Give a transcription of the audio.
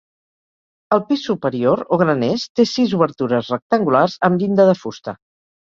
El pis superior o graners té sis obertures rectangulars, amb llinda de fusta.